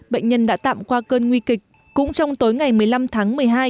bệnh nhân đã tạm qua cơn nguy kịch cũng trong tối ngày một mươi năm tháng một mươi hai